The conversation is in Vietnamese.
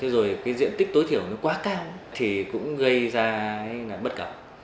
rồi diện tích tối thiểu quá cao thì cũng gây ra bất cẩn